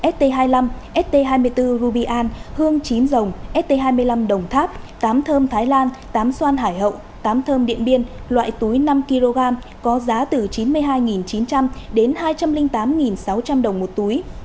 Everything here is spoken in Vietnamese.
st hai mươi năm st hai mươi bốn rubyan hương chín rồng st hai mươi năm đồng tháp tám thơm thái lan tám xoan hải hậu tám thơm điện biên loại túi năm kg có giá từ chín mươi hai chín trăm linh đến hai trăm linh tám sáu trăm linh đồng một túi